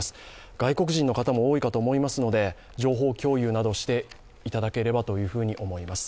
外国人の方も多いかと思いますので、情報共有などしていただければと思います。